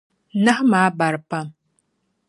Nahu maa bari pam.